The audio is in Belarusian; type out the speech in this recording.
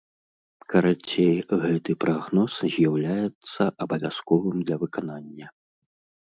Карацей, гэты прагноз з'яўляецца абавязковым для выканання.